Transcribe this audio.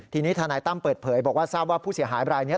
ทีนี้ทนายตั้มเปิดเผยบอกว่าทราบว่าผู้เสียหายบรายนี้